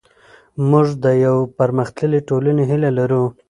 موږ د یوې پرمختللې ټولنې هیله لرو.